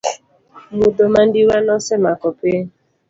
Mudho mandiwa nosemako piny.